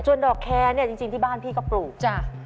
จนดอกแคร์จริงที่บ้านพี่ก็ปลูก